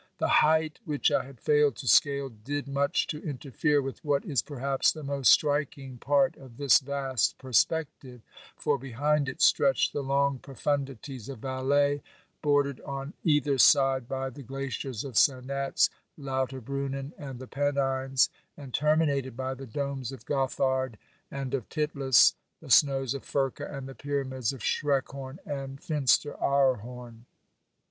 The height which I had failed to scale did much to interfere with what is perhaps the most striking part of this vast perspective, for behind it stretched the long profundities of Valais, bordered on either side by the glaciers of Sanetz, Lauter Brunnen and the Pennines, and terminated by the domes of Gothard and of Titlis, the snows of Furca and the pyramids of Schreckhorn and Finster aar horn.